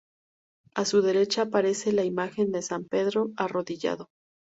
A su derecha, aparece la imagen de San Pedro arrodillado.